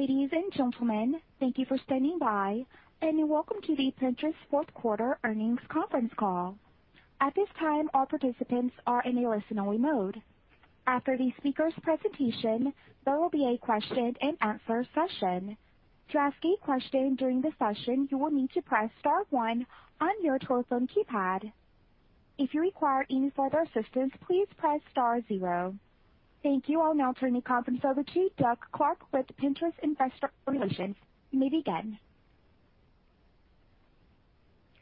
Ladies and gentlemen, thank you for standing by, and welcome to the Pinterest fourth quarter earnings conference call. At this time, all participants are in a listen-only mode. After the speaker's presentation, there will be a question and answer session. To ask a question during the session, you will need to press star one on your telephone keypad. If you require any further assistance, please press star zero. Thank you. I'll now turn the conference over to Doug Clark with Pinterest Investor Relations. You may begin.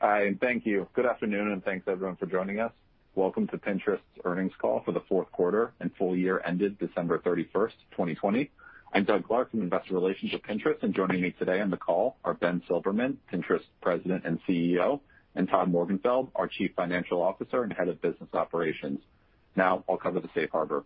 Hi, and thank you. Good afternoon, and thanks everyone for joining us. Welcome to Pinterest's earnings call for the fourth quarter and full year ended December 31st, 2020. I'm Doug Clark from Investor Relations at Pinterest, and joining me today on the call are Ben Silbermann, Pinterest President and CEO, and Todd Morgenfeld, our Chief Financial Officer and Head of Business Operations. Now, I'll cover the safe harbor.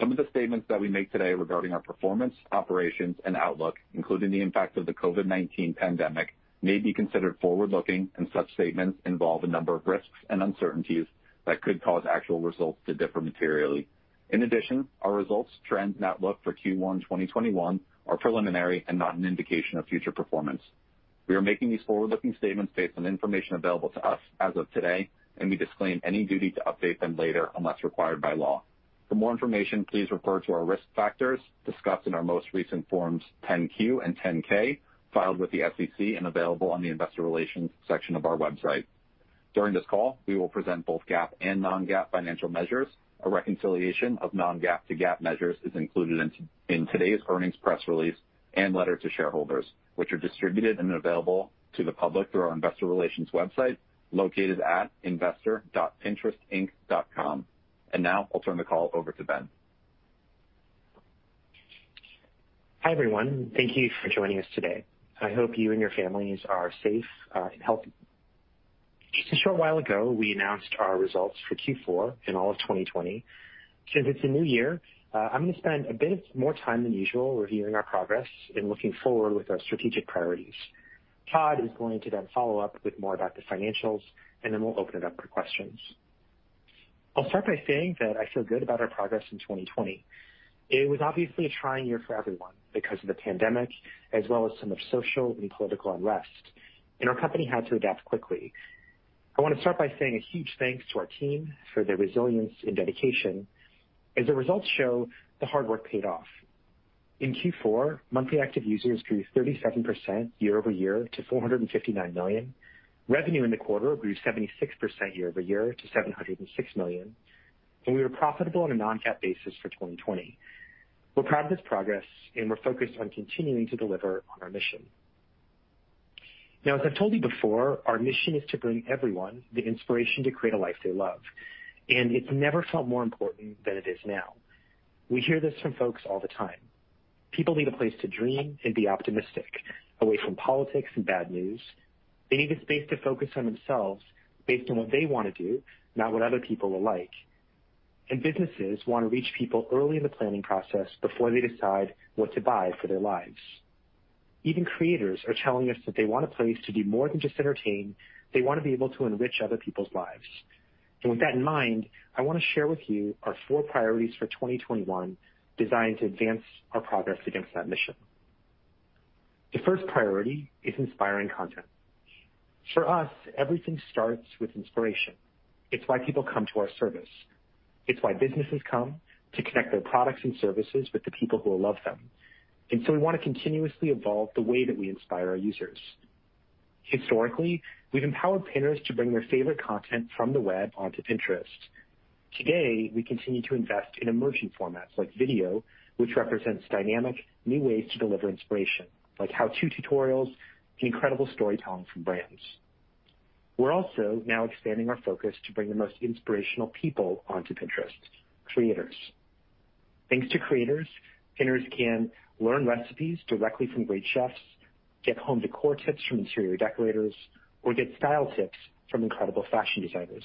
Some of the statements that we make today regarding our performance, operations, and outlook, including the impact of the COVID-19 pandemic, may be considered forward-looking, and such statements involve a number of risks and uncertainties that could cause actual results to differ materially. In addition, our results, trends, and outlook for Q1 2021 are preliminary and not an indication of future performance. We are making these forward-looking statements based on information available to us as of today, and we disclaim any duty to update them later unless required by law. For more information, please refer to our risk factors discussed in our most recent Forms 10-Q and 10-K, filed with the SEC and available on the investor relations section of our website. During this call, we will present both GAAP and non-GAAP financial measures. A reconciliation of non-GAAP to GAAP measures is included in today's earnings press release and letter to shareholders, which are distributed and available to the public through our investor relations website located at investor.pinterestinc.com. Now I'll turn the call over to Ben. Hi, everyone. Thank you for joining us today. I hope you and your families are safe and healthy. Just a short while ago, we announced our results for Q4 and all of 2020. Since it's a new year, I'm going to spend a bit more time than usual reviewing our progress and looking forward with our strategic priorities. Todd is going to then follow up with more about the financials, and then we'll open it up for questions. I'll start by saying that I feel good about our progress in 2020. It was obviously a trying year for everyone because of the pandemic, as well as some of social and political unrest, and our company had to adapt quickly. I want to start by saying a huge thanks to our team for their resilience and dedication. As the results show, the hard work paid off. In Q4, monthly active users grew 37% year-over-year to 459 million. Revenue in the quarter grew 76% year-over-year to $706 million, and we were profitable on a non-GAAP basis for 2020. We're proud of this progress, and we're focused on continuing to deliver on our mission. Now, as I've told you before, our mission is to bring everyone the inspiration to create a life they love, and it's never felt more important than it is now. We hear this from folks all the time. People need a place to dream and be optimistic, away from politics and bad news. They need a space to focus on themselves based on what they want to do, not what other people will like. Businesses want to reach people early in the planning process before they decide what to buy for their lives. Even creators are telling us that they want a place to do more than just entertain. They want to be able to enrich other people's lives. With that in mind, I want to share with you our four priorities for 2021, designed to advance our progress against that mission. The first priority is inspiring content. For us, everything starts with inspiration. It's why people come to our service. It's why businesses come to connect their products and services with the people who love them. So we want to continuously evolve the way that we inspire our users. Historically, we've empowered Pinners to bring their favorite content from the web onto Pinterest. Today, we continue to invest in emerging formats like video, which represents dynamic, new ways to deliver inspiration, like how-to tutorials and incredible storytelling from brands. We're also now expanding our focus to bring the most inspirational people onto Pinterest, creators. Thanks to creators, Pinners can learn recipes directly from great chefs, get home decor tips from interior decorators, or get style tips from incredible fashion designers.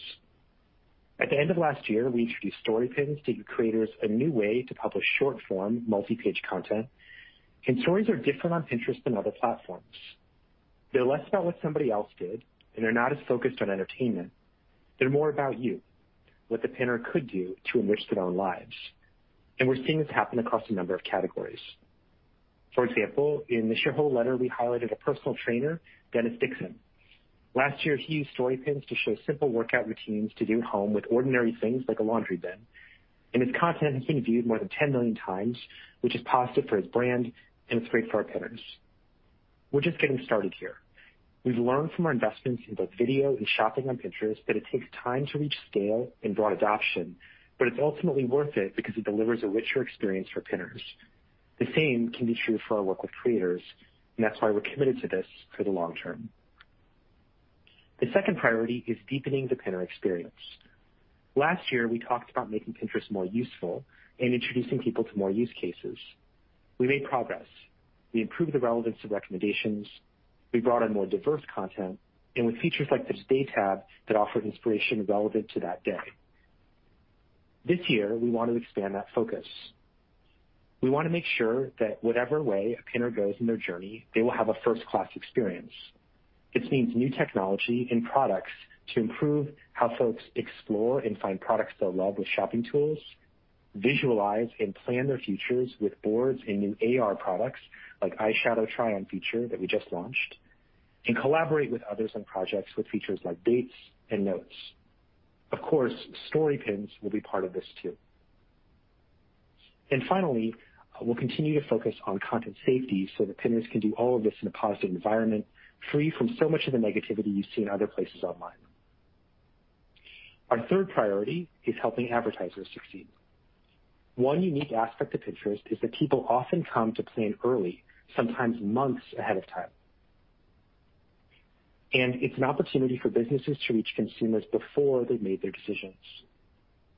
At the end of last year, we introduced Story Pins to give creators a new way to publish short-form, multi-page content, and Stories are different on Pinterest than other platforms. They're less about what somebody else did, and they're not as focused on entertainment. They're more about you, what the Pinner could do to enrich their own lives. We're seeing this happen across a number of categories. For example, in the shareholder letter, we highlighted a personal trainer, Dennis Dixon. Last year, he used Story Pins to show simple workout routines to do at home with ordinary things like a laundry bin, and his content has been viewed more than 10 million times, which is positive for his brand, and it's great for our Pinners. We're just getting started here. We've learned from our investments in both video and shopping on Pinterest that it takes time to reach scale and broad adoption, but it's ultimately worth it because it delivers a richer experience for Pinners. The same can be true for our work with creators, and that's why we're committed to this for the long term. The second priority is deepening the Pinner experience. Last year, we talked about making Pinterest more useful and introducing people to more use cases. We made progress. We improved the relevance of recommendations, we brought on more diverse content, and with features like the Today tab that offered inspiration relevant to that day. This year, we want to expand that focus. We want to make sure that whatever way a Pinner goes in their journey, they will have a first-class experience. This means new technology and products to improve how folks explore and find products they'll love with shopping tools, visualize and plan their futures with boards and new AR products like eyeshadow try-on feature that we just launched, and collaborate with others on projects with features like dates and notes. Of course, Story Pins will be part of this too. Finally, we'll continue to focus on content safety so that Pinners can do all of this in a positive environment, free from so much of the negativity you see in other places online. Our third priority is helping advertisers succeed. One unique aspect of Pinterest is that people often come to plan early, sometimes months ahead of time. It's an opportunity for businesses to reach consumers before they've made their decisions.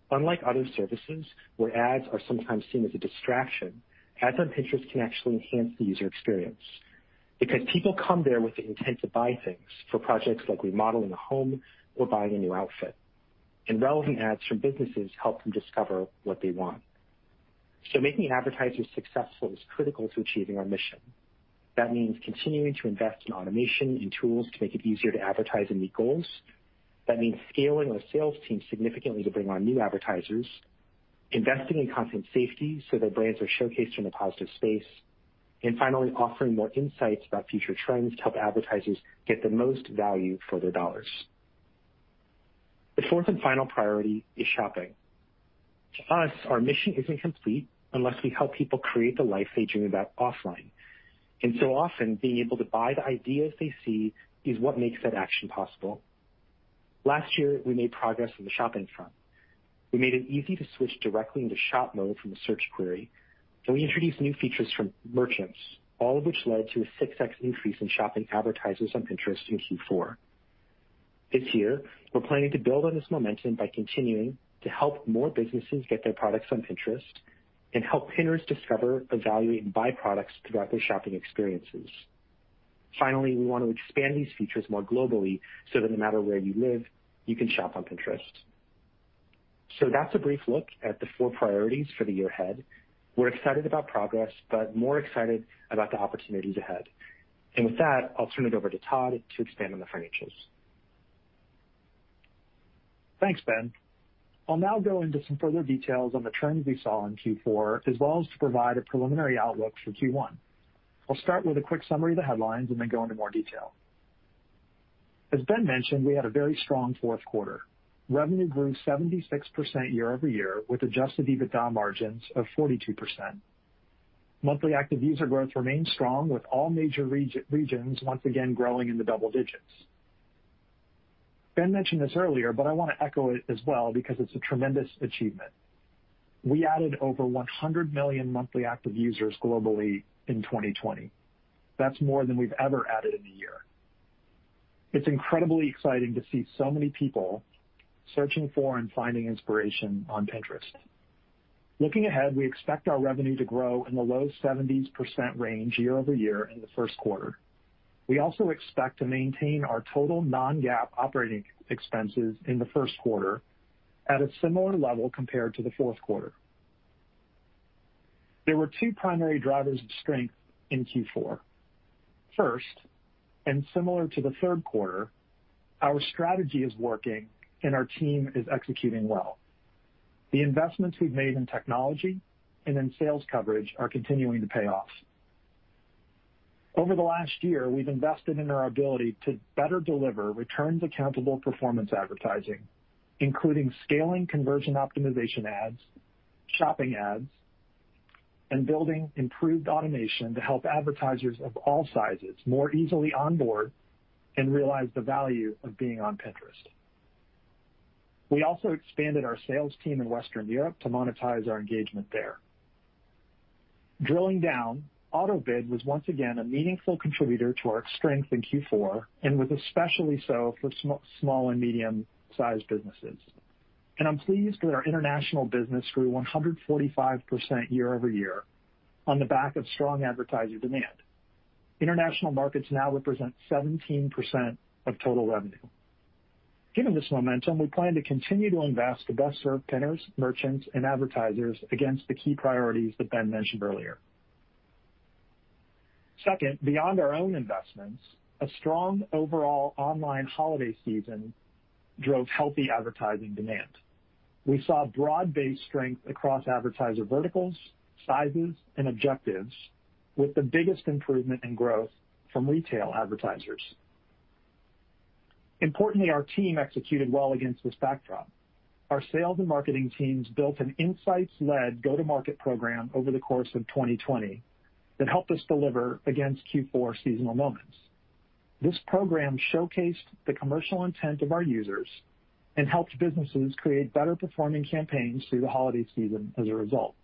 Unlike other services where ads are sometimes seen as a distraction, ads on Pinterest can actually enhance the user experience because people come there with the intent to buy things for projects like remodeling a home or buying a new outfit, and relevant ads from businesses help them discover what they want. Making advertisers successful is critical to achieving our mission. That means continuing to invest in automation and tools to make it easier to advertise and meet goals. That means scaling our sales team significantly to bring on new advertisers, investing in content safety so their brands are showcased in a positive space, and finally, offering more insights about future trends to help advertisers get the most value for their dollars. The fourth and final priority is shopping. To us, our mission isn't complete unless we help people create the life they dream about offline. So often, being able to buy the ideas they see is what makes that action possible. Last year, we made progress on the shopping front. We made it easy to switch directly into shop mode from a search query, and we introduced new features from merchants, all of which led to a 6x increase in shopping advertisers on Pinterest in Q4. This year, we're planning to build on this momentum by continuing to help more businesses get their products on Pinterest and help Pinners discover, evaluate, and buy products throughout their shopping experiences. Finally, we want to expand these features more globally so that no matter where you live, you can shop on Pinterest. That's a brief look at the four priorities for the year ahead. We're excited about progress, but more excited about the opportunities ahead. With that, I'll turn it over to Todd to expand on the financials. Thanks, Ben. I'll now go into some further details on the trends we saw in Q4, as well as to provide a preliminary outlook for Q1. I'll start with a quick summary of the headlines and then go into more detail. As Ben mentioned, we had a very strong fourth quarter. Revenue grew 76% year-over-year with Adjusted EBITDA margins of 42%. Monthly active user growth remained strong with all major regions once again growing in the double digits. Ben mentioned this earlier, but I want to echo it as well because it's a tremendous achievement. We added over 100 million monthly active users globally in 2020. That's more than we've ever added in a year. It's incredibly exciting to see so many people searching for and finding inspiration on Pinterest. Looking ahead, we expect our revenue to grow in the low 70s% range year-over-year in the first quarter. We also expect to maintain our total non-GAAP operating expenses in the first quarter at a similar level compared to the fourth quarter. There were two primary drivers of strength in Q4. First, and similar to the third quarter, our strategy is working, and our team is executing well. The investments we've made in technology and in sales coverage are continuing to pay off. Over the last year, we've invested in our ability to better deliver returns accountable performance advertising, including scaling conversion optimization ads, shopping ads, and building improved automation to help advertisers of all sizes more easily onboard and realize the value of being on Pinterest. We also expanded our sales team in Western Europe to monetize our engagement there. Drilling down, auto-bid was once again a meaningful contributor to our strength in Q4, and was especially so for small and medium-sized businesses. I'm pleased that our international business grew 145% year-over-year on the back of strong advertiser demand. International markets now represent 17% of total revenue. Given this momentum, we plan to continue to invest to best serve Pinners, merchants, and advertisers against the key priorities that Ben mentioned earlier. Second, beyond our own investments, a strong overall online holiday season drove healthy advertising demand. We saw broad-based strength across advertiser verticals, sizes, and objectives, with the biggest improvement in growth from retail advertisers. Importantly, our team executed well against this backdrop. Our sales and marketing teams built an insights-led go-to-market program over the course of 2020 that helped us deliver against Q4 seasonal moments. This program showcased the commercial intent of our users and helped businesses create better performing campaigns through the holiday season as a result.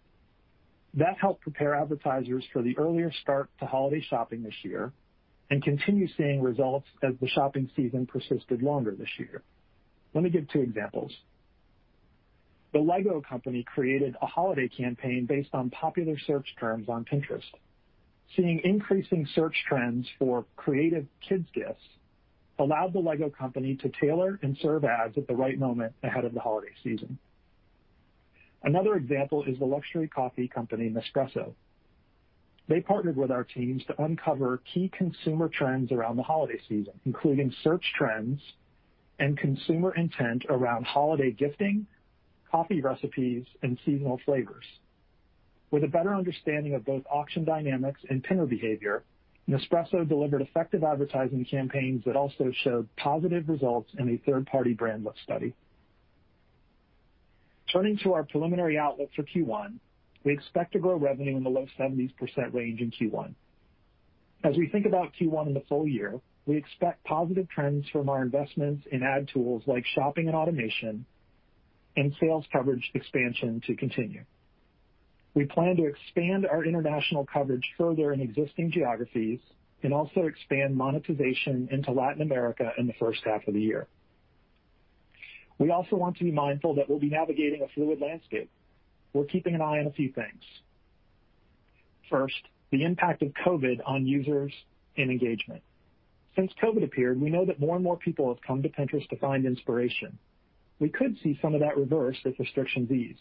That helped prepare advertisers for the earlier start to holiday shopping this year and continue seeing results as the shopping season persisted longer this year. Let me give two examples. The LEGO company created a holiday campaign based on popular search terms on Pinterest. Seeing increasing search trends for creative kids gifts allowed the LEGO company to tailor and serve ads at the right moment ahead of the holiday season. Another example is the luxury coffee company, Nespresso. They partnered with our teams to uncover key consumer trends around the holiday season, including search trends and consumer intent around holiday gifting, coffee recipes, and seasonal flavors. With a better understanding of both auction dynamics and pinner behavior, Nespresso delivered effective advertising campaigns that also showed positive results in a third-party brand lift study. Turning to our preliminary outlook for Q1, we expect to grow revenue in the low 70s% range in Q1. As we think about Q1 and the full year, we expect positive trends from our investments in ad tools like shopping and automation and sales coverage expansion to continue. We plan to expand our international coverage further in existing geographies and also expand monetization into Latin America in the first half of the year. We also want to be mindful that we'll be navigating a fluid landscape. We're keeping an eye on a few things. First, the impact of COVID on users and engagement. Since COVID appeared, we know that more and more people have come to Pinterest to find inspiration. We could see some of that reverse if restrictions ease.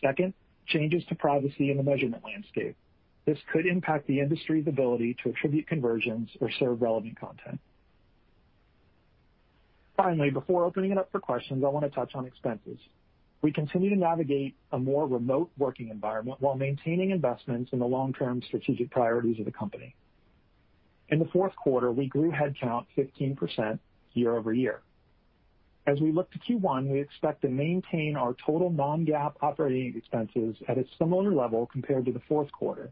Second, changes to privacy in the measurement landscape. This could impact the industry's ability to attribute conversions or serve relevant content. Finally, before opening it up for questions, I want to touch on expenses. We continue to navigate a more remote working environment while maintaining investments in the long-term strategic priorities of the company. In the fourth quarter, we grew headcount 15% year-over-year. As we look to Q1, we expect to maintain our total non-GAAP operating expenses at a similar level compared to the fourth quarter,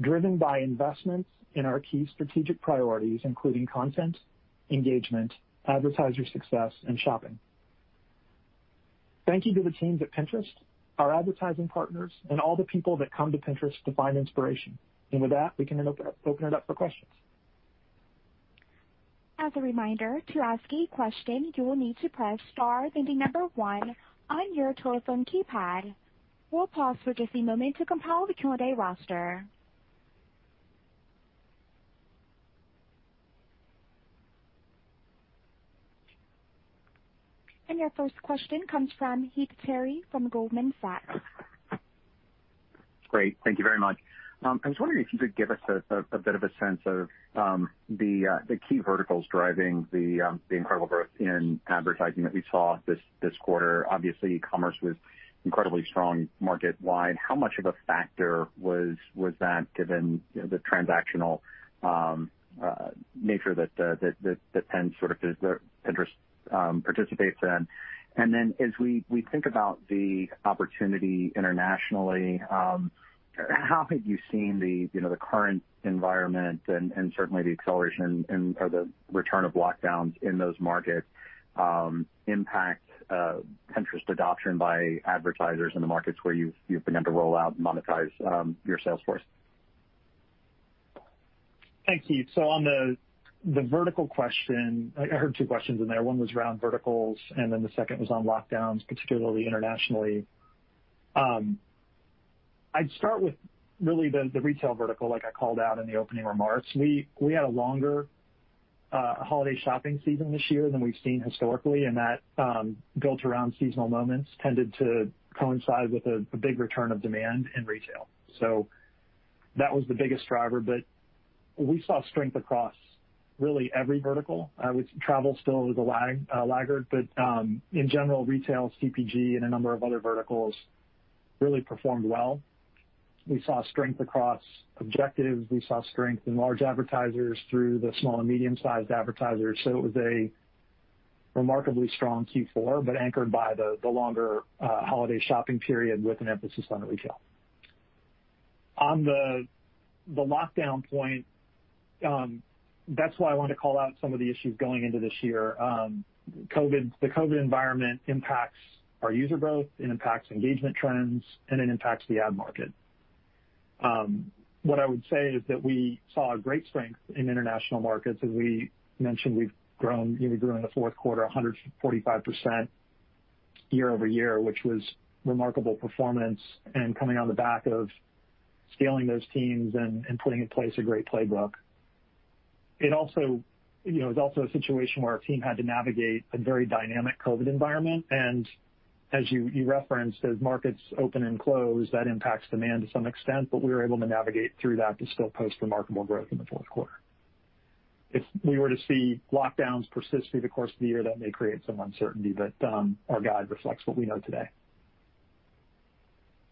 driven by investments in our key strategic priorities, including content, engagement, advertiser success, and shopping. Thank you to the teams at Pinterest, our advertising partners, and all the people that come to Pinterest to find inspiration. With that, we can open it up for questions. As a reminder, to ask a question, you will need to press star, then the number one on your telephone keypad. We'll pause for just a moment to compile the Q&A roster. Your first question comes from Heath Terry from Goldman Sachs. Great. Thank you very much. I was wondering if you could give us a bit of a sense of the key verticals driving the incredible growth in advertising that we saw this quarter. Obviously, e-commerce was incredibly strong market-wide. How much of a factor was that given the transactional nature that Pinterest participates in? Then, as we think about the opportunity internationally, how have you seen the current environment and certainly the acceleration or the return of lockdowns in those markets impact Pinterest adoption by advertisers in the markets where you've begun to roll out and monetize your sales force? Hey, Heath. On the vertical question, I heard two questions in there. One was around verticals, and then the second was on lockdowns, particularly internationally. I'd start with really the retail vertical, like I called out in the opening remarks. We had a longer holiday shopping season this year than we've seen historically, and that built around seasonal moments tended to coincide with a big return of demand in retail. That was the biggest driver, but we saw strength across really every vertical. Travel still is a laggard, but in general, retail, CPG, and a number of other verticals really performed well. We saw strength across objectives. We saw strength in large advertisers through the small and medium-sized advertisers. It was a remarkably strong Q4, but anchored by the longer holiday shopping period with an emphasis on retail. On the lockdown point, that's why I wanted to call out some of the issues going into this year. The COVID environment impacts our user growth, it impacts engagement trends, and it impacts the ad market. What I would say is that we saw great strength in international markets. As we mentioned, we grew in the fourth quarter 145% year-over-year, which was remarkable performance and coming on the back of scaling those teams and putting in place a great playbook. It was also a situation where our team had to navigate a very dynamic COVID environment, as you referenced, as markets open and close, that impacts demand to some extent. We were able to navigate through that to still post remarkable growth in the fourth quarter. If we were to see lockdowns persist through the course of the year, that may create some uncertainty, but our guide reflects what we know today.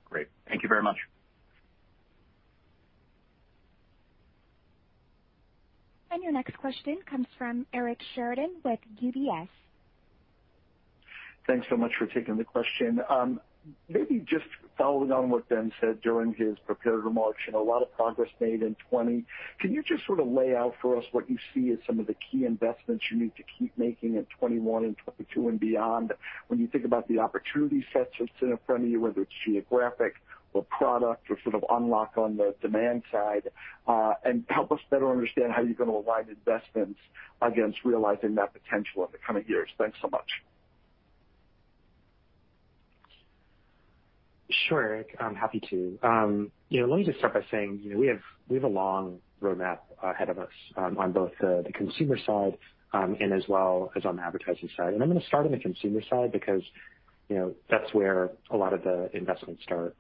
Great. Thank you very much. Your next question comes from Eric Sheridan with UBS. Thanks so much for taking the question. Maybe just following on what Ben said during his prepared remarks, a lot of progress made in 2020. Can you just sort of lay out for us what you see as some of the key investments you need to keep making in 2021 and 2022 and beyond when you think about the opportunity sets that sit in front of you, whether it's geographic or product or sort of unlock on the demand side? Help us better understand how you're going to align investments against realizing that potential in the coming years. Thanks so much. Sure, Eric, I'm happy to. Let me just start by saying, we have a long roadmap ahead of us on both the consumer side and as well as on the advertising side. I'm going to start on the consumer side because that's where a lot of the investments start.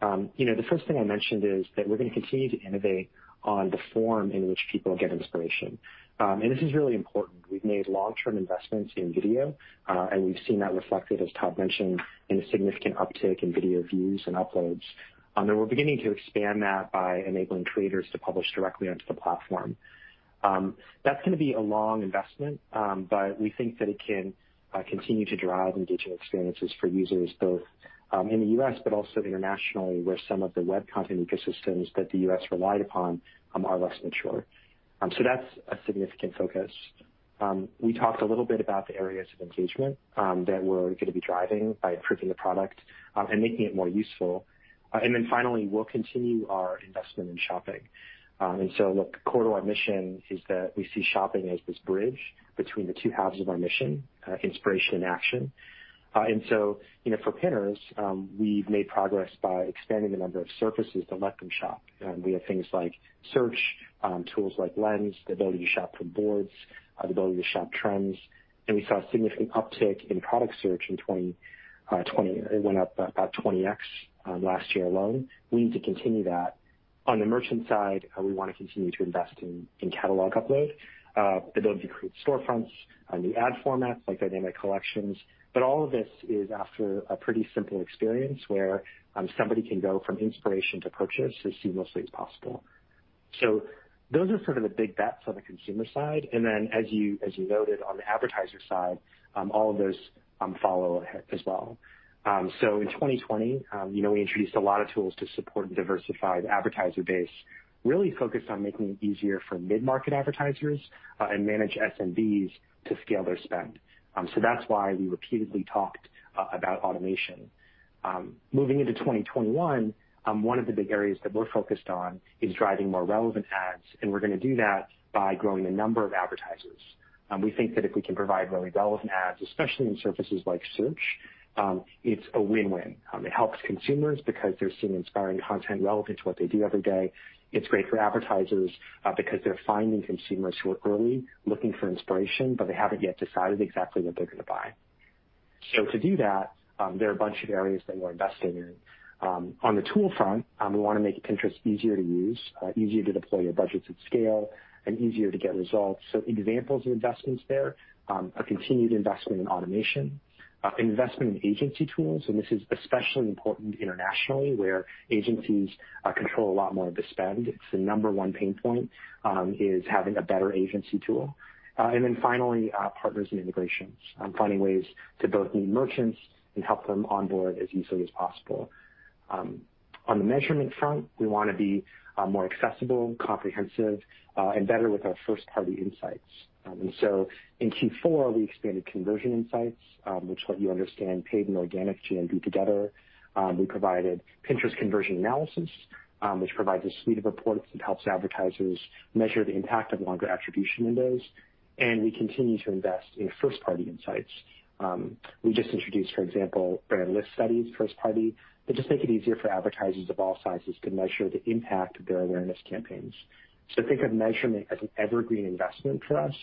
The first thing I mentioned is that we're going to continue to innovate on the form in which people get inspiration. This is really important. We've made long-term investments in video, and we've seen that reflected, as Todd mentioned, in a significant uptick in video views and uploads. We're beginning to expand that by enabling creators to publish directly onto the platform. That's going to be a long investment, but we think that it can continue to drive engaging experiences for users, both in the U.S. but also internationally, where some of the web content ecosystems that the U.S. relied upon are less mature. That's a significant focus. We talked a little bit about the areas of engagement that we're going to be driving by improving the product and making it more useful. Finally, we'll continue our investment in shopping. Look, core to our mission is that we see shopping as this bridge between the two halves of our mission, inspiration and action. For Pinners, we've made progress by expanding the number of surfaces to let them shop. We have things like search, tools like Lens, the ability to shop from boards, the ability to shop trends. We saw a significant uptick in product search in 2020. It went up about 20x last year alone. We need to continue that. On the merchant side, we want to continue to invest in catalog upload, the ability to create storefronts, new ad formats like dynamic collections. All of this is after a pretty simple experience where somebody can go from inspiration to purchase as seamlessly as possible. Those are sort of the big bets on the consumer side. As you noted on the advertiser side, all of those follow as well. In 2020, we introduced a lot of tools to support and diversify the advertiser base, really focused on making it easier for mid-market advertisers and managed SMBs to scale their spend. That's why we repeatedly talked about automation. Moving into 2021, one of the big areas that we're focused on is driving more relevant ads, and we're going to do that by growing the number of advertisers. We think that if we can provide really relevant ads, especially in surfaces like search, it's a win-win. It helps consumers because they're seeing inspiring content relevant to what they do every day. It's great for advertisers because they're finding consumers who are early looking for inspiration, but they haven't yet decided exactly what they're going to buy. To do that, there are a bunch of areas that we're investing in. On the tool front, we want to make Pinterest easier to use, easier to deploy your budgets at scale and easier to get results. Examples of investments there are continued investment in automation, investment in agency tools, and this is especially important internationally, where agencies control a lot more of the spend. It's the number one pain point is having a better agency tool. Finally, partners and integrations, finding ways to both meet merchants and help them onboard as easily as possible. On the measurement front, we want to be more accessible, comprehensive, and better with our first-party insights. In Q4, we expanded conversion insights, which let you understand paid and organic GMV together. We provided Pinterest conversion analysis, which provides a suite of reports that helps advertisers measure the impact of longer attribution windows. We continue to invest in first-party insights. We just introduced, for example, brand lift studies first party that just make it easier for advertisers of all sizes to measure the impact of their awareness campaigns. Think of measurement as an evergreen investment for us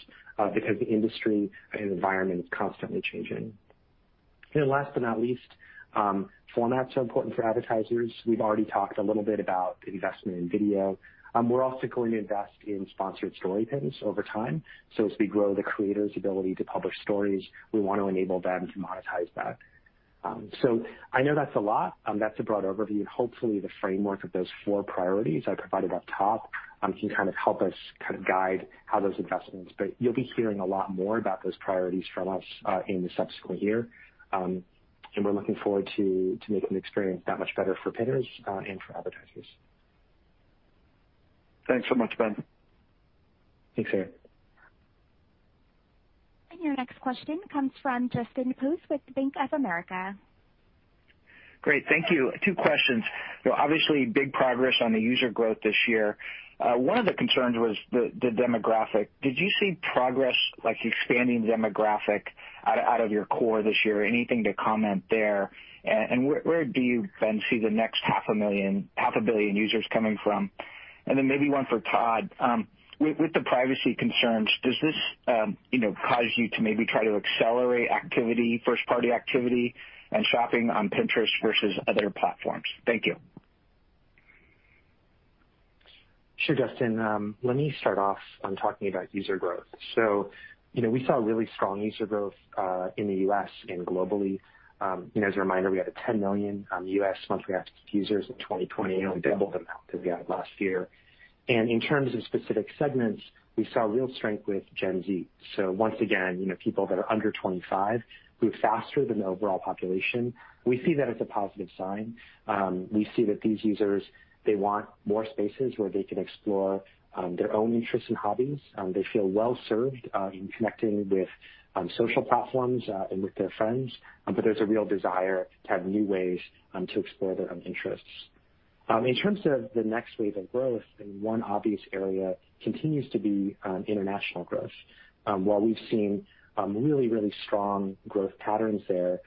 because the industry and environment is constantly changing. Last but not least, formats are important for advertisers. We've already talked a little bit about investment in video. We're also going to invest in sponsored Story Pins over time. As we grow the creators' ability to publish stories, we want to enable them to monetize that. I know that's a lot. That's a broad overview. Hopefully, the framework of those four priorities I provided up top can help us kind of guide how those investments, but you'll be hearing a lot more about those priorities from us in the subsequent year. We're looking forward to making the experience that much better for Pinners and for advertisers. Thanks so much, Ben. Thanks, Eric. Your next question comes from Justin Post with Bank of America. Great. Thank you. Two questions. Obviously, big progress on the user growth this year. One of the concerns was the demographic. Did you see progress like expanding demographic out of your core this year? Anything to comment there? Where do you then see the next half a billion users coming from? Then maybe one for Todd. With the privacy concerns, does this cause you to maybe try to accelerate activity, first-party activity and shopping on Pinterest versus other platforms? Thank you. Sure, Justin. Let me start off on talking about user growth. We saw really strong user growth in the U.S. and globally. As a reminder, we added 10 million U.S. monthly active users in 2020 and doubled the amount that we added last year. In terms of specific segments, we saw real strength with Gen Z. Once again, people that are under 25 grew faster than the overall population. We see that as a positive sign. We see that these users, they want more spaces where they can explore their own interests and hobbies. They feel well-served in connecting with social platforms and with their friends. There's a real desire to have new ways to explore their own interests. In terms of the next wave of growth, one obvious area continues to be international growth. While we've seen really strong growth patterns there,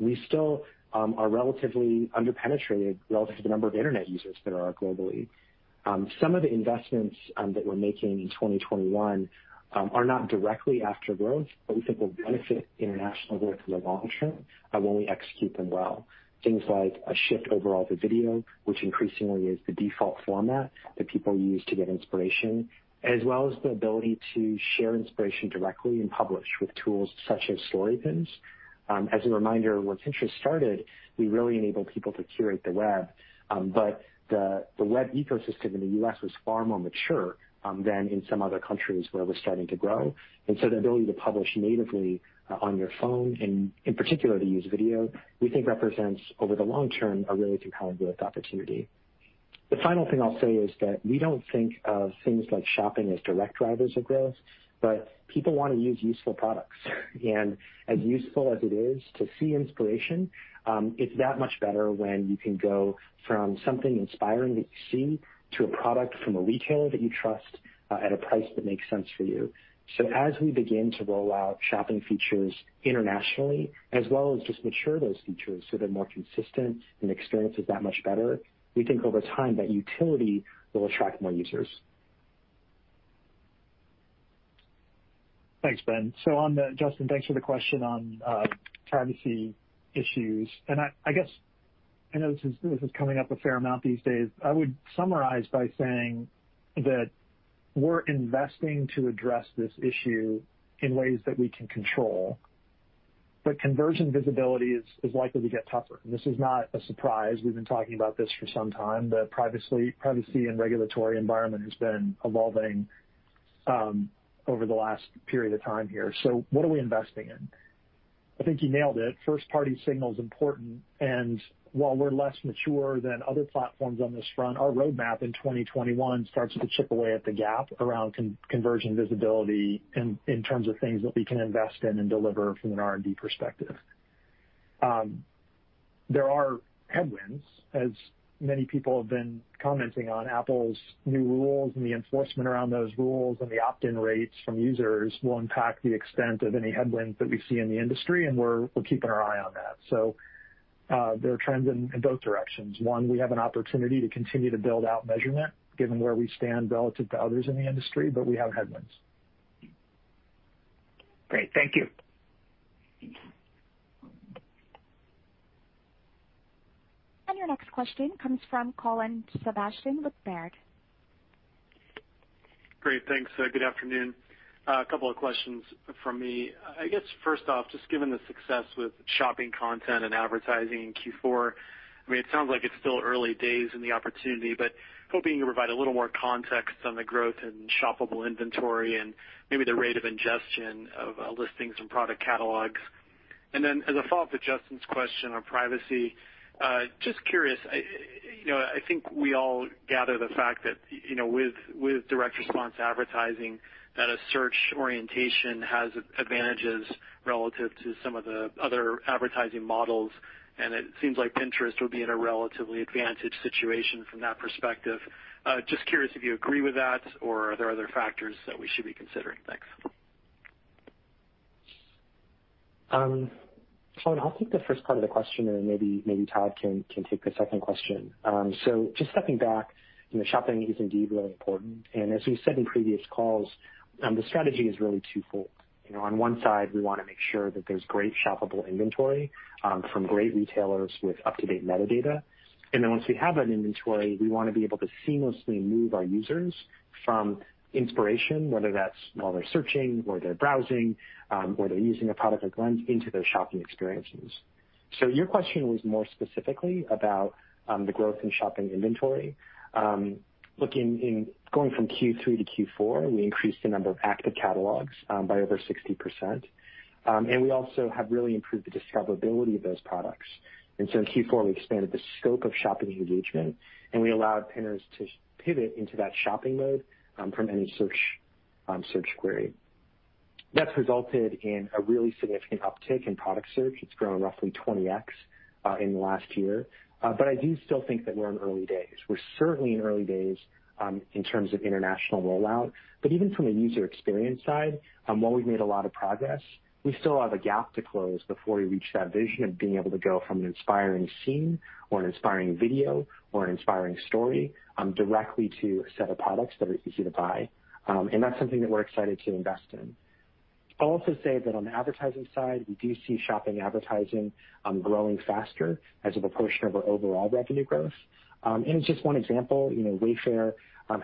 we still are relatively under-penetrated relative to the number of internet users there are globally. Some of the investments that we're making in 2021 are not directly after growth, but we think will benefit international growth in the long term when we execute them well. Things like a shift overall to video, which increasingly is the default format that people use to get inspiration, as well as the ability to share inspiration directly and publish with tools such as Story Pins. As a reminder, when Pinterest started, we really enabled people to curate the web, but the web ecosystem in the U.S. was far more mature than in some other countries where it was starting to grow. The ability to publish natively on your phone and in particular to use video, we think represents over the long term, a really compelling growth opportunity. The final thing I'll say is that we don't think of things like shopping as direct drivers of growth, but people want to use useful products. As useful as it is to see inspiration, it's that much better when you can go from something inspiring that you see to a product from a retailer that you trust at a price that makes sense for you. As we begin to roll out shopping features internationally, as well as just mature those features so they're more consistent and experience is that much better, we think over time that utility will attract more users. Thanks, Ben. Justin, thanks for the question on privacy issues, and I guess I know this is coming up a fair amount these days. I would summarize by saying that we're investing to address this issue in ways that we can control, but conversion visibility is likely to get tougher, and this is not a surprise. We've been talking about this for some time. The privacy and regulatory environment has been evolving over the last period of time here. What are we investing in? I think you nailed it. First-party signal's important, and while we're less mature than other platforms on this front, our roadmap in 2021 starts to chip away at the gap around conversion visibility in terms of things that we can invest in and deliver from an R&D perspective. There are headwinds, as many people have been commenting on Apple's new rules and the enforcement around those rules, and the opt-in rates from users will impact the extent of any headwinds that we see in the industry, and we're keeping our eye on that. There are trends in both directions. We have an opportunity to continue to build out measurement given where we stand relative to others in the industry, but we have headwinds. Great. Thank you. Your next question comes from Colin Sebastian, Baird. Great. Thanks. Good afternoon. A couple of questions from me. I guess first off, just given the success with shopping content and advertising in Q4, it sounds like it's still early days in the opportunity, but hoping you can provide a little more context on the growth in shoppable inventory and maybe the rate of ingestion of listings and product catalogs. Then as a follow-up to Justin's question on privacy, just curious, I think we all gather the fact that with direct response advertising, that a search orientation has advantages relative to some of the other advertising models, and it seems like Pinterest would be in a relatively advantaged situation from that perspective. Just curious if you agree with that, or are there other factors that we should be considering? Thanks. Colin, I'll take the first part of the question, and maybe Todd can take the second question. Just stepping back, shopping is indeed really important, and as we've said in previous calls, the strategy is really twofold. On one side, we want to make sure that there's great shoppable inventory from great retailers with up-to-date metadata. Once we have that inventory, we want to be able to seamlessly move our users from inspiration, whether that's while they're searching or they're browsing, or they're using a product like Lens into those shopping experiences. Your question was more specifically about the growth in shopping inventory. Going from Q3 to Q4, we increased the number of active catalogs by over 60%, and we also have really improved the discoverability of those products. In Q4, we expanded the scope of shopping engagement, and we allowed Pinners to pivot into that shopping mode from any search query. That's resulted in a really significant uptick in product search. It's grown roughly 20x in the last year. I do still think that we're in early days. We're certainly in early days in terms of international rollout, but even from a user experience side, while we've made a lot of progress, we still have a gap to close before we reach that vision of being able to go from an inspiring scene or an inspiring video or an inspiring story directly to a set of products that are easy to buy. That's something that we're excited to invest in. I'll also say that on the advertising side, we do see shopping advertising growing faster as a proportion of our overall revenue growth. In just one example, Wayfair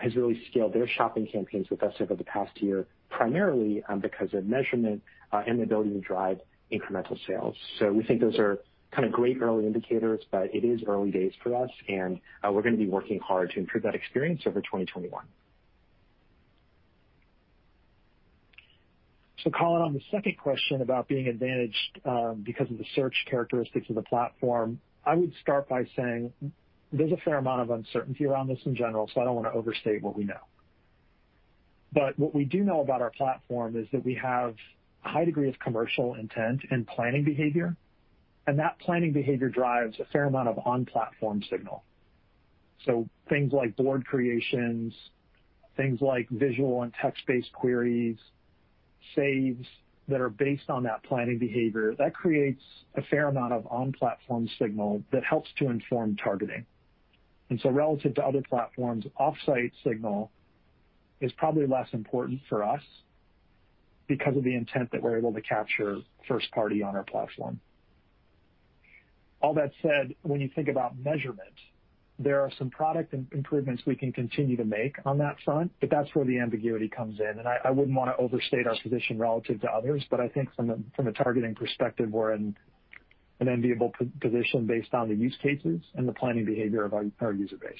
has really scaled their shopping campaigns with us over the past year, primarily because of measurement and the ability to drive incremental sales. We think those are kind of great early indicators, but it is early days for us, and we're going to be working hard to improve that experience over 2021. Colin, on the second question about being advantaged because of the search characteristics of the platform, I would start by saying there's a fair amount of uncertainty around this in general, so I don't want to overstate what we know. But what we do know about our platform is that we have a high degree of commercial intent and planning behavior, and that planning behavior drives a fair amount of on-platform signal. Things like board creations, things like visual and text-based queries, saves that are based on that planning behavior, that creates a fair amount of on-platform signal that helps to inform targeting. Relative to other platforms, off-site signal is probably less important for us because of the intent that we're able to capture first party on our platform. All that said, when you think about measurement, there are some product improvements we can continue to make on that front, but that's where the ambiguity comes in. I wouldn't want to overstate our position relative to others, but I think from a targeting perspective, we're in an enviable position based on the use cases and the planning behavior of our user base.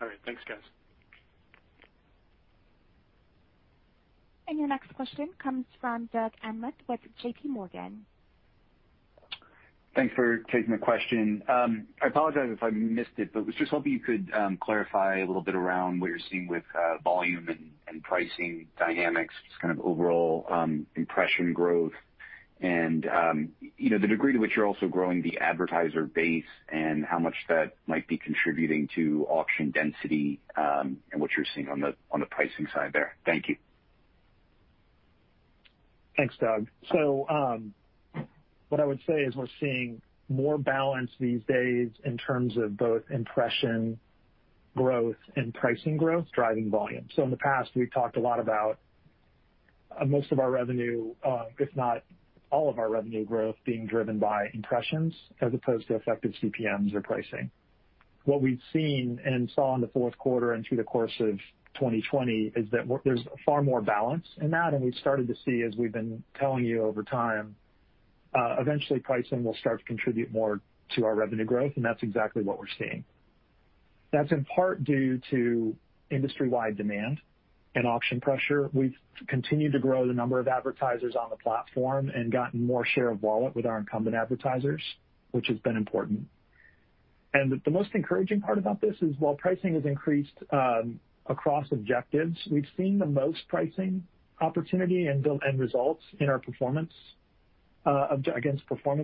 All right. Thanks, guys. Your next question comes from Doug Anmuth with JPMorgan. Thanks for taking my question. I apologize if I missed it, but was just hoping you could clarify a little bit around what you're seeing with volume and pricing dynamics, just kind of overall impression growth and the degree to which you're also growing the advertiser base and how much that might be contributing to auction density, and what you're seeing on the pricing side there. Thank you. Thanks, Doug. We're seeing more balance these days in terms of both impression growth and pricing growth driving volume. In the past, we've talked a lot about most of our revenue, if not all of our revenue growth, being driven by impressions as opposed to effective CPMs or pricing. What we've seen and saw in the fourth quarter and through the course of 2020 is that there's far more balance in that. We've started to see, as we've been telling you over time, eventually pricing will start to contribute more to our revenue growth, and that's exactly what we're seeing. That's in part due to industry-wide demand and auction pressure. We've continued to grow the number of advertisers on the platform and gotten more share of wallet with our incumbent advertisers, which has been important. The most encouraging part about this is while pricing has increased across objectives, we've seen the most pricing opportunity and results against performance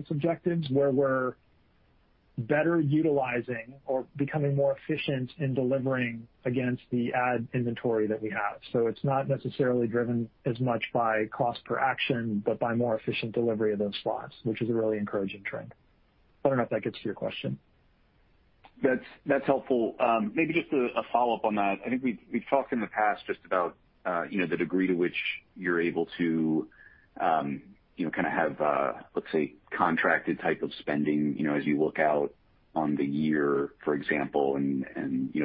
objectives, where we're better utilizing or becoming more efficient in delivering against the ad inventory that we have. It's not necessarily driven as much by cost per action, but by more efficient delivery of those slots, which is a really encouraging trend. I don't know if that gets to your question? That's helpful. Maybe just a follow-up on that. I think we've talked in the past just about the degree to which you're able to kind of have, let's say, contracted type of spending as you look out on the year, for example, and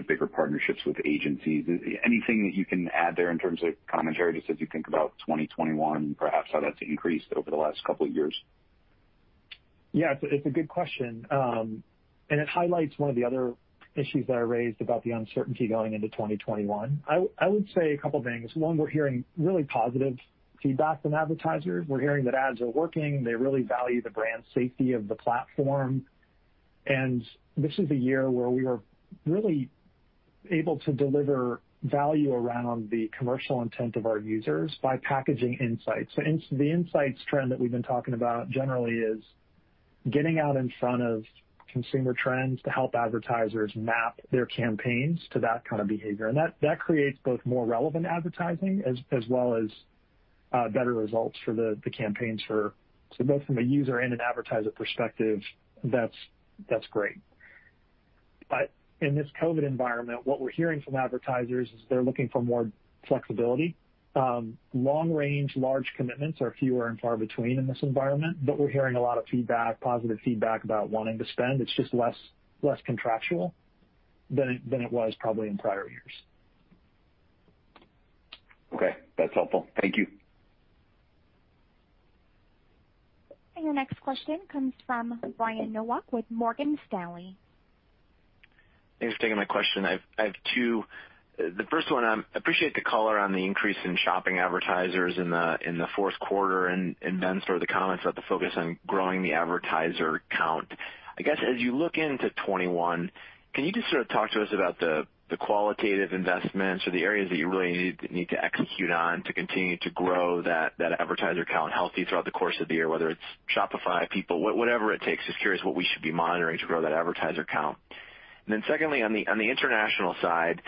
bigger partnerships with agencies. Anything that you can add there in terms of commentary, just as you think about 2021, perhaps how that's increased over the last couple of years? Yeah, it's a good question. It highlights one of the other issues that I raised about the uncertainty going into 2021. I would say a couple things. One, we're hearing really positive feedback from advertisers. We're hearing that ads are working. They really value the brand safety of the platform. This is a year where we are really able to deliver value around the commercial intent of our users by packaging insights. The insights trend that we've been talking about generally is getting out in front of consumer trends to help advertisers map their campaigns to that kind of behavior. That creates both more relevant advertising as well as better results for the campaigns for both from a user and an advertiser perspective, that's great. In this COVID environment, what we're hearing from advertisers is they're looking for more flexibility. Long range, large commitments are fewer and far between in this environment, but we're hearing a lot of feedback, positive feedback, about wanting to spend. It's just less contractual than it was probably in prior years. Okay. That's helpful. Thank you. Your next question comes from Brian Nowak with Morgan Stanley. Thanks for taking my question. I have two. The first one, I appreciate the color on the increase in shopping advertisers in the fourth quarter and, Ben, the comments about the focus on growing the advertiser count. As you look into 2021, can you just talk to us about the qualitative investments or the areas that you really need to execute on to continue to grow that advertiser count healthy throughout the course of the year, whether it's Shopify, people, whatever it takes. Just curious what we should be monitoring to grow that advertiser count. Secondly, on the international side,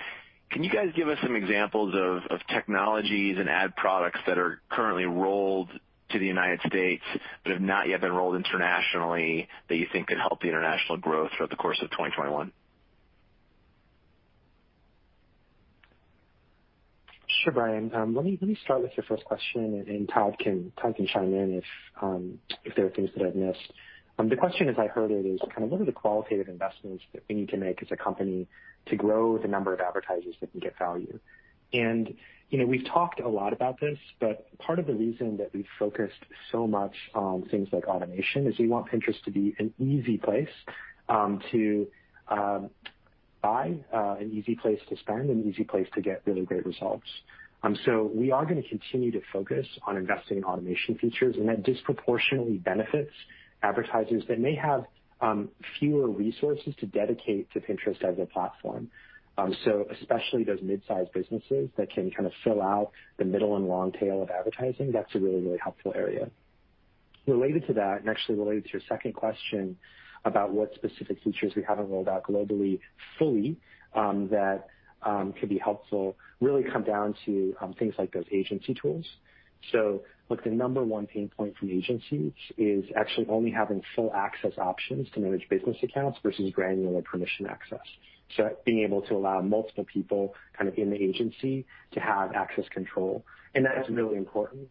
can you guys give us some examples of technologies and ad products that are currently rolled to the U.S. but have not yet been rolled internationally that you think could help the international growth throughout the course of 2021? Sure, Brian. Let me start with your first question, and Todd can chime in if there are things that I've missed. The question as I heard it is kind of what are the qualitative investments that we need to make as a company to grow the number of advertisers that can get value? We've talked a lot about this, but part of the reason that we've focused so much on things like automation is we want Pinterest to be an easy place to buy, an easy place to spend, an easy place to get really great results. We are going to continue to focus on investing in automation features, and that disproportionately benefits advertisers that may have fewer resources to dedicate to Pinterest as a platform. Especially those mid-size businesses that can kind of fill out the middle and long tail of advertising, that's a really helpful area. Related to that, and actually related to your second question about what specific features we haven't rolled out globally fully that could be helpful, really come down to things like those agency tools. Like the number one pain point from agencies is actually only having full access options to manage business accounts versus granular permission access. Being able to allow multiple people kind of in the agency to have access control, and that is really important.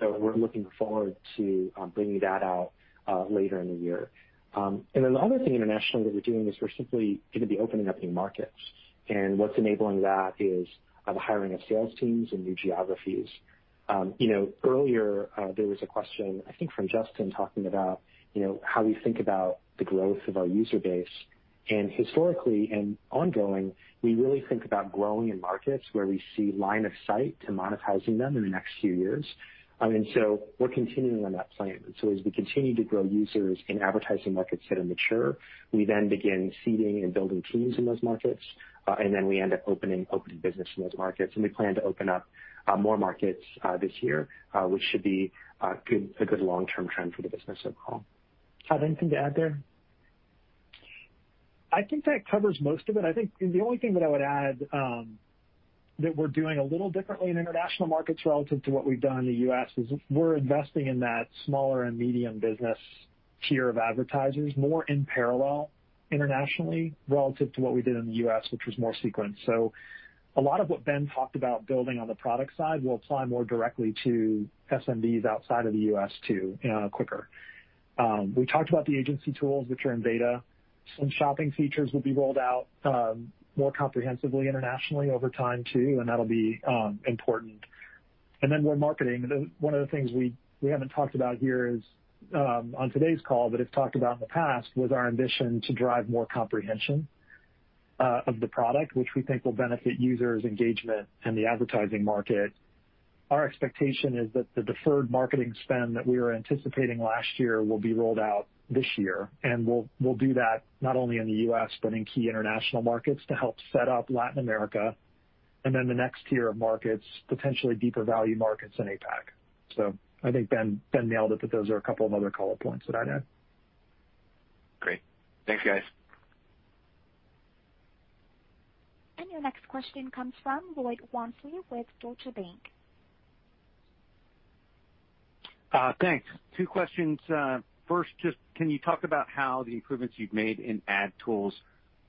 We're looking forward to bringing that out later in the year. Then the other thing internationally that we're doing is we're simply going to be opening up new markets, and what's enabling that is the hiring of sales teams in new geographies. Earlier, there was a question, I think, from Justin talking about how we think about the growth of our user base. Historically, and ongoing, we really think about growing in markets where we see line of sight to monetizing them in the next few years. We're continuing on that plan. As we continue to grow users in advertising markets that are mature, we then begin seeding and building teams in those markets. We then end up opening business in those markets, and we plan to open up more markets this year, which should be a good long-term trend for the business overall. Todd, anything to add there? I think that covers most of it. I think the only thing that I would add that we're doing a little differently in international markets relative to what we've done in the U.S. is we're investing in that smaller and medium business tier of advertisers more in parallel internationally relative to what we did in the U.S., which was more sequenced. A lot of what Ben talked about building on the product side will apply more directly to SMBs outside of the U.S. quicker. We talked about the agency tools, which are in beta. Some shopping features will be rolled out more comprehensively internationally over time too, and that'll be important. More marketing. One of the things we haven't talked about here on today's call, but have talked about in the past, was our ambition to drive more comprehension of the product, which we think will benefit users' engagement and the advertising market. Our expectation is that the deferred marketing spend that we were anticipating last year will be rolled out this year, and we'll do that not only in the U.S. but in key international markets to help set up Latin America and then the next tier of markets, potentially deeper value markets in APAC. I think Ben nailed it, but those are a couple of other call-out points that I'd add. Great. Thanks, guys. Your next question comes from Lloyd Walmsley with Deutsche Bank. Thanks. Two questions. First, just can you talk about how the improvements you've made in ad tools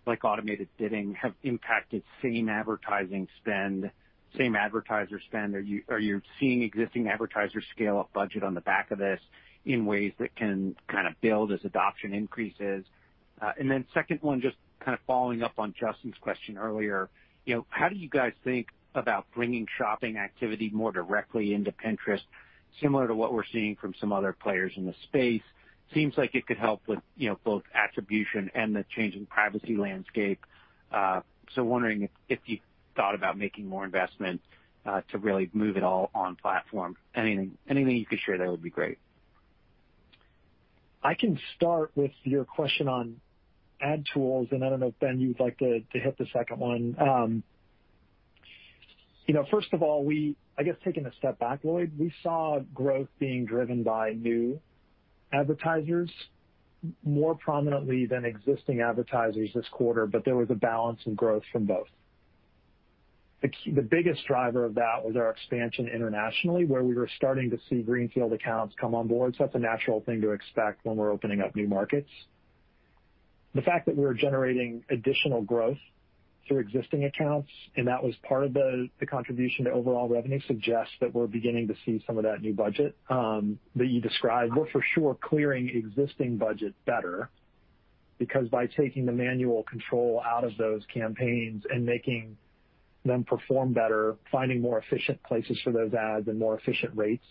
like auto-bid have impacted same advertising spend, same advertiser spend? Are you seeing existing advertisers scale up budget on the back of this in ways that can kind of build as adoption increases? Second one, just kind of following up on Justin's question earlier, how do you guys think about bringing shopping activity more directly into Pinterest, similar to what we're seeing from some other players in the space? Seems like it could help with both attribution and the changing privacy landscape. Wondering if you thought about making more investments to really move it all on platform. Anything you could share there would be great. I can start with your question on ad tools, and I don't know if, Ben, you would like to hit the second one. First of all, I guess taking a step back, Lloyd, we saw growth being driven by new advertisers more prominently than existing advertisers this quarter, but there was a balance in growth from both. The biggest driver of that was our expansion internationally, where we were starting to see greenfield accounts come on board. That's a natural thing to expect when we're opening up new markets. The fact that we're generating additional growth through existing accounts, and that was part of the contribution to overall revenue, suggests that we're beginning to see some of that new budget that you described. We're for sure clearing existing budgets better because by taking the manual control out of those campaigns and making them perform better, finding more efficient places for those ads and more efficient rates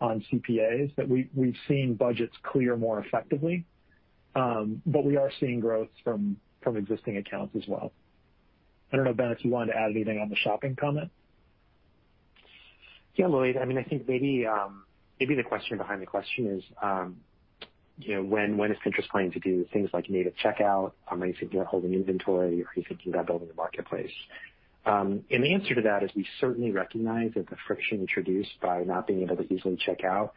on CPAs, that we've seen budgets clear more effectively. We are seeing growth from existing accounts as well. I don't know, Ben, if you wanted to add anything on the shopping comment. Yeah, Lloyd. I think maybe the question behind the question is when is Pinterest planning to do things like native checkout? Are you thinking of holding inventory? Are you thinking about building a marketplace? The answer to that is we certainly recognize that the friction introduced by not being able to easily check out,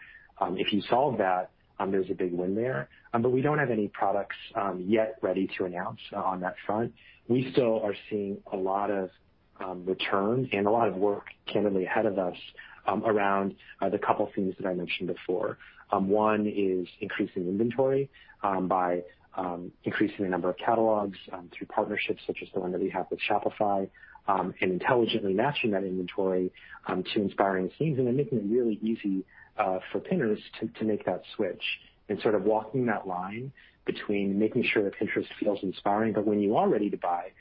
if you solve that, there's a big win there. We don't have any products yet ready to announce on that front. We still are seeing a lot of return and a lot of work candidly ahead of us around the couple things that I mentioned before. One is increasing inventory by increasing the number of catalogs through partnerships such as the one that we have with Shopify, and intelligently matching that inventory to inspiring scenes and then making it really easy for Pinners to make that switch and sort of walking that line between making sure that Pinterest feels inspiring, but when you are ready to buy,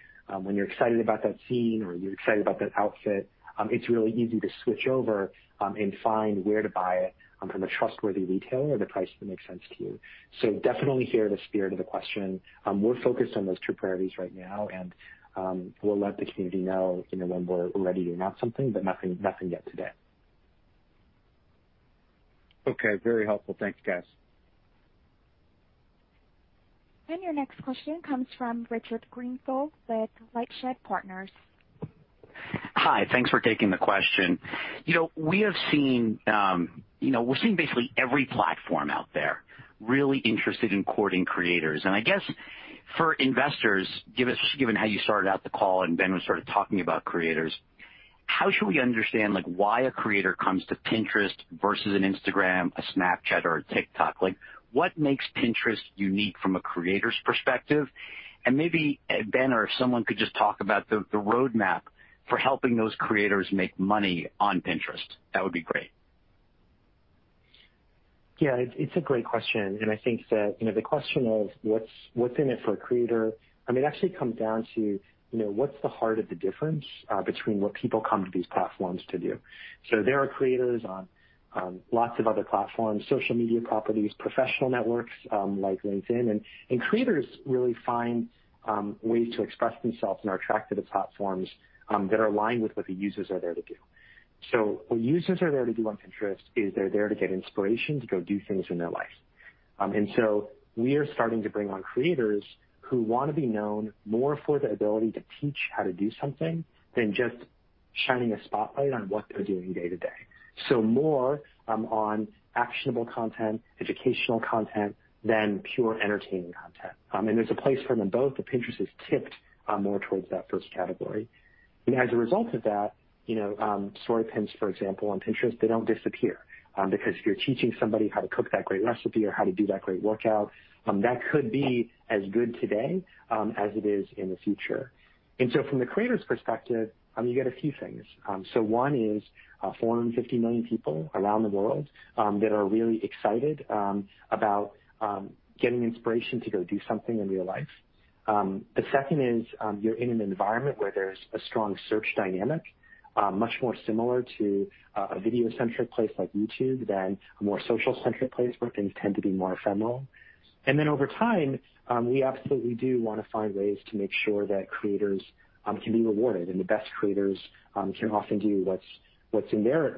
when you're excited about that scene or you're excited about that outfit, it's really easy to switch over and find where to buy it from a trustworthy retailer at a price that makes sense to you. Definitely hear the spirit of the question. We're focused on those two priorities right now, and we'll let the community know when we're ready to announce something, but nothing yet today. Okay. Very helpful. Thanks, guys. Your next question comes from Richard Greenfield with LightShed Partners. Hi. Thanks for taking the question. We're seeing basically every platform out there really interested in courting creators. I guess for investors, given how you started out the call and Ben was sort of talking about creators, how should we understand why a creator comes to Pinterest versus an Instagram, a Snapchat or a TikTok? What makes Pinterest unique from a creator's perspective? Maybe Ben or if someone could just talk about the roadmap for helping those creators make money on Pinterest. That would be great. Yeah. It's a great question. I think that the question of what's in it for a creator, it actually comes down to what's the heart of the difference between what people come to these platforms to do. There are creators on lots of other platforms, social media properties, professional networks like LinkedIn, and creators really find ways to express themselves and are attracted to platforms that are aligned with what the users are there to do. What users are there to do on Pinterest is they're there to get inspiration to go do things in their life. We are starting to bring on creators who want to be known more for the ability to teach how to do something than just shining a spotlight on what they're doing day to day. More on actionable content, educational content than pure entertaining content. There's a place for them both, but Pinterest is tipped more towards that first category. As a result of that, Story Pins, for example, on Pinterest, they don't disappear because if you're teaching somebody how to cook that great recipe or how to do that great workout, that could be as good today as it is in the future. From the creator's perspective, you get a few things. One is 450 million people around the world that are really excited about getting inspiration to go do something in real life. The second is you're in an environment where there's a strong search dynamic, much more similar to a video-centric place like YouTube than a more social-centric place where things tend to be more ephemeral. Over time, we absolutely do want to find ways to make sure that creators can be rewarded and the best creators can often do what's in their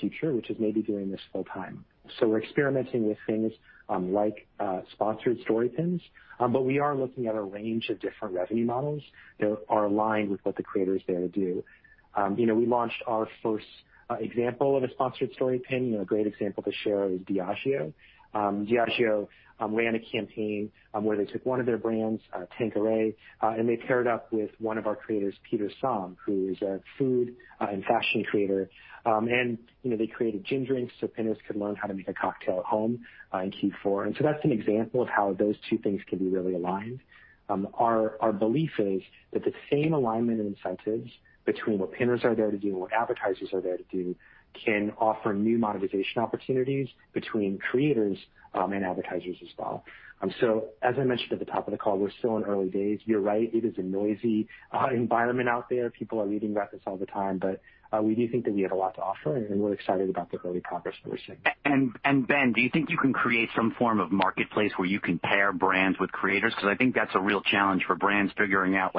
future, which is maybe doing this full time. We're experimenting with things like sponsored Story Pins, but we are looking at a range of different revenue models that are aligned with what the creator's there to do. We launched our first example of a sponsored Story Pin. A great example to share is Diageo. Diageo ran a campaign where they took one of their brands, Tanqueray, and they paired up with one of our creators, Peter Som, who is a food and fashion creator. They created a ginger drink so Pinners could learn how to make a cocktail at home in Q4. That's an example of how those two things can be really aligned. Our belief is that the same alignment and incentives between what Pinners are there to do and what advertisers are there to do can offer new monetization opportunities between creators and advertisers as well. As I mentioned at the top of the call, we're still in early days. You're right, it is a noisy environment out there. People are reading about this all the time, but we do think that we have a lot to offer, and we're excited about the early progress that we're seeing. Ben, do you think you can create some form of marketplace where you can pair brands with creators? I think that's a real challenge for brands figuring out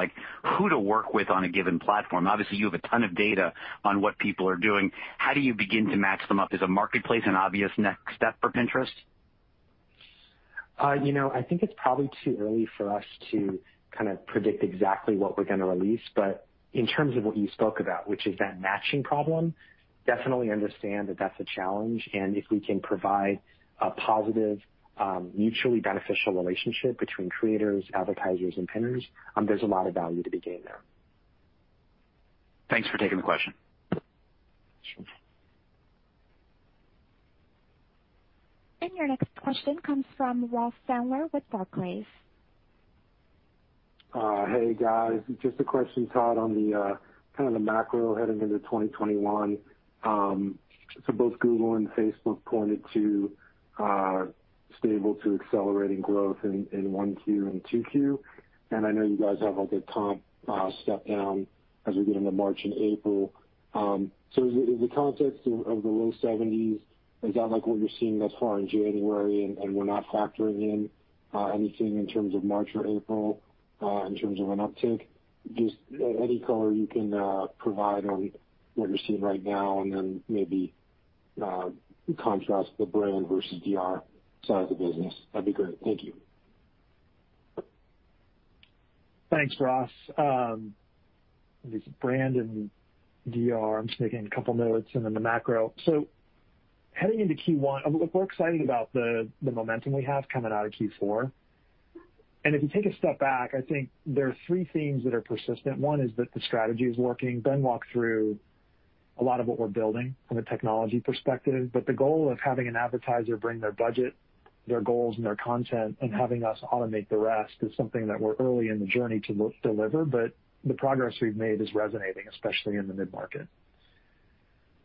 who to work with on a given platform. Obviously, you have a ton of data on what people are doing. How do you begin to match them up? Is a marketplace an obvious next step for Pinterest? I think it's probably too early for us to kind of predict exactly what we're going to release. In terms of what you spoke about, which is that matching problem, definitely understand that that's a challenge, and if we can provide a positive, mutually beneficial relationship between creators, advertisers, and Pinners, there's a lot of value to be gained there. Thanks for taking the question. Your next question comes from Ross Sandler with Barclays. Hey, guys. Just a question, Todd, on the kind of the macro heading into 2021. Both Google and Facebook pointed to stable to accelerating growth in 1Q and 2Q. I know you guys have a good comp step down as we get into March and April. In the context of the low 70s%, is that like what you're seeing thus far in January and we're not factoring in anything in terms of March or April, in terms of an uptick? Just any color you can provide on what you're seeing right now and then maybe contrast the brand versus DR side of the business, that'd be great. Thank you. Thanks, Ross. There's brand and DR, I'm just making a couple notes, and then the macro. Heading into Q1, look, we're excited about the momentum we have coming out of Q4. If you take a step back, I think there are three themes that are persistent. One is that the strategy is working. Ben walked through a lot of what we're building from a technology perspective, but the goal of having an advertiser bring their budget, their goals, and their content and having us automate the rest is something that we're early in the journey to deliver, but the progress we've made is resonating, especially in the mid-market.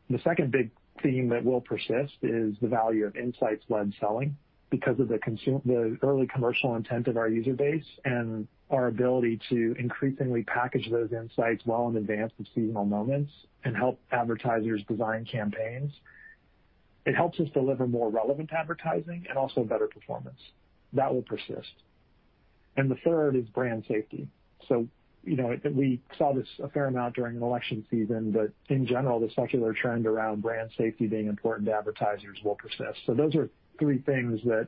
The second big theme that will persist is the value of insights-led selling because of the early commercial intent of our user base and our ability to increasingly package those insights well in advance of seasonal moments and help advertisers design campaigns. It helps us deliver more relevant advertising and also better performance. That will persist. The third is brand safety. We saw this a fair amount during election season, but in general, the secular trend around brand safety being important to advertisers will persist. Those are three things that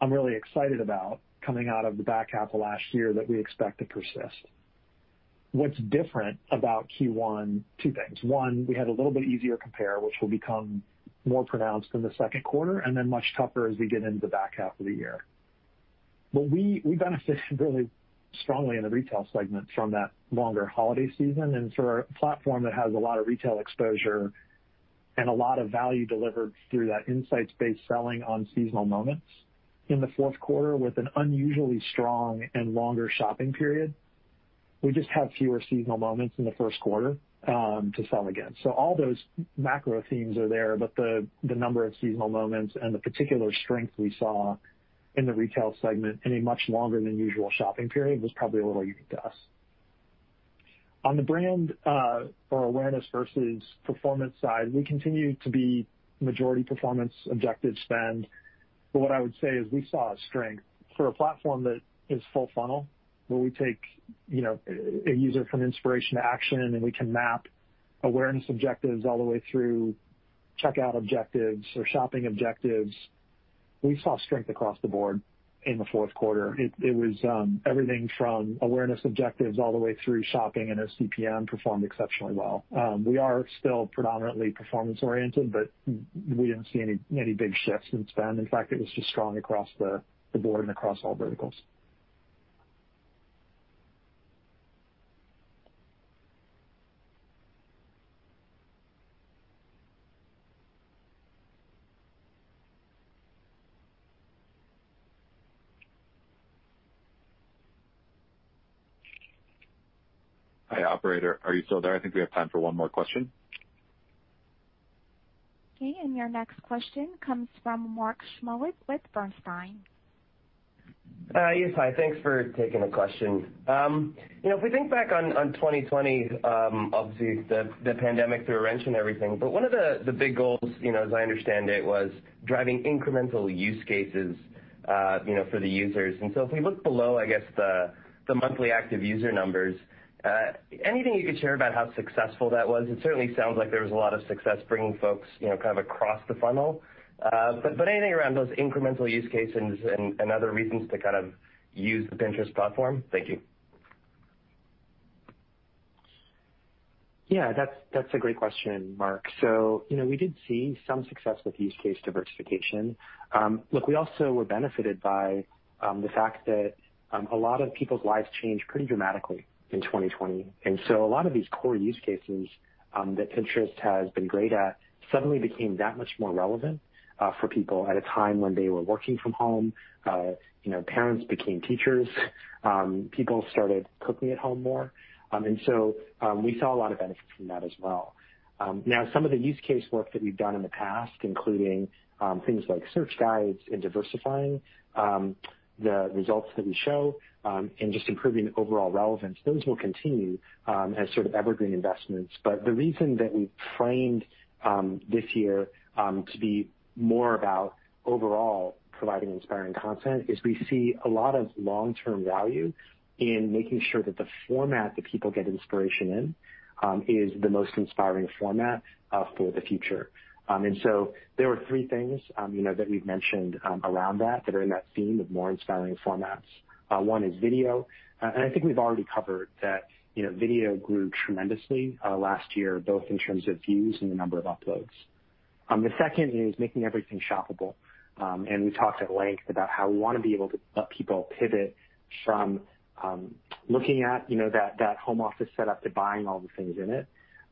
I'm really excited about coming out of the back half of last year that we expect to persist. What's different about Q1? Two things. One, we had a little bit easier compare, which will become more pronounced in the second quarter, and then much tougher as we get into the back half of the year. We benefited really strongly in the retail segment from that longer holiday season, and for a platform that has a lot of retail exposure and a lot of value delivered through that insights-based selling on seasonal moments in the fourth quarter with an unusually strong and longer shopping period. We just have fewer seasonal moments in the first quarter to sell against. All those macro themes are there, but the number of seasonal moments and the particular strength we saw in the retail segment in a much longer than usual shopping period was probably a little unique to us. On the brand or awareness versus performance side, we continue to be majority performance objective spend. What I would say is we saw a strength for a platform that is full funnel, where we take a user from inspiration to action, and we can map awareness objectives all the way through checkout objectives or shopping objectives. We saw strength across the board in the fourth quarter. It was everything from awareness objectives all the way through shopping and our CPM performed exceptionally well. We are still predominantly performance-oriented, but we didn't see any big shifts in spend. In fact, it was just strong across the board and across all verticals. Hi, operator. Are you still there? I think we have time for one more question. Okay. Your next question comes from Mark Shmulik with Bernstein. Yes. Hi. Thanks for taking the question. If we think back on 2020, obviously, the pandemic threw a wrench in everything, but one of the big goals, as I understand it, was driving incremental use cases for the users. If we look below, I guess, the monthly active user numbers, anything you could share about how successful that was? It certainly sounds like there was a lot of success bringing folks kind of across the funnel. Anything around those incremental use cases and other reasons to kind of use the Pinterest platform? Thank you. Yeah. That's a great question, Mark. We did see some success with use case diversification. Look, we also were benefited by the fact that a lot of people's lives changed pretty dramatically in 2020. A lot of these core use cases that Pinterest has been great at suddenly became that much more relevant for people at a time when they were working from home. Parents became teachers. People started cooking at home more. We saw a lot of benefits from that as well. Now, some of the use case work that we've done in the past, including things like search guides and diversifying the results that we show, and just improving overall relevance, those will continue as sort of evergreen investments. The reason that we've framed this year to be more about overall providing inspiring content is we see a lot of long-term value in making sure that the format that people get inspiration in is the most inspiring format for the future. There are three things that we've mentioned around that are in that theme of more inspiring formats. One is video. I think we've already covered that video grew tremendously last year, both in terms of views and the number of uploads. The second is making everything shoppable. We talked at length about how we want to be able to let people pivot from looking at that home office set up to buying all the things in it.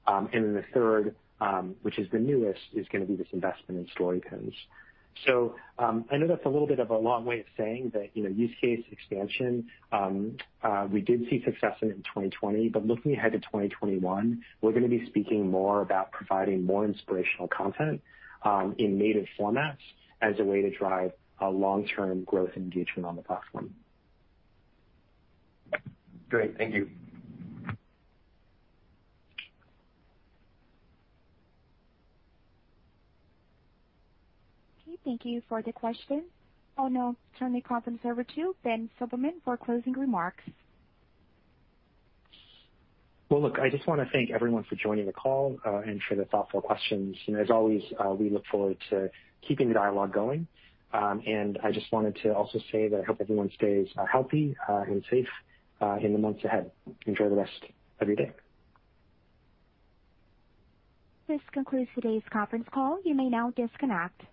The third, which is the newest, is going to be this investment in Story Pins. I know that's a little bit of a long way of saying that, use case expansion, we did see success in it in 2020. Looking ahead to 2021, we're going to be speaking more about providing more inspirational content in native formats as a way to drive long-term growth engagement on the platform. Great. Thank you. Okay. Thank you for the question. I'll now turn the conference over to Ben Silbermann for closing remarks. Well, look, I just want to thank everyone for joining the call and for the thoughtful questions. As always, we look forward to keeping the dialogue going. I just wanted to also say that I hope everyone stays healthy and safe in the months ahead. Enjoy the rest of your day. This concludes today's conference call. You may now disconnect.